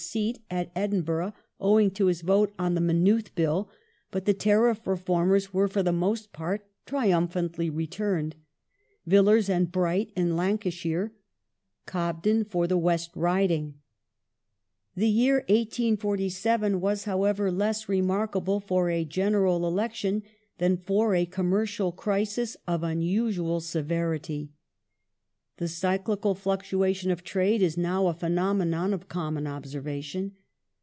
83 ieq. 1862] THE COMMERCIAL PANIC OF 1847 191 at Edinburgh owing to his vote on the Maynooth Bill ; but the Tariff Reformers were for the most part triumphantly returned : Villiei s and Bright in Lancashire, Cobden for the West Riding. The year 1847 was, however, less remarkable for a General Elec The com tion, than for a commercial crisis of unusual severity. The cyclical "^ercial fluctuation of trade is now a phenomenon of common observation.